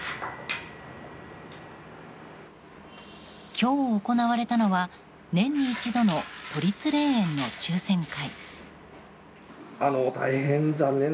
今日行われたのは年に一度の都立霊園の抽選会。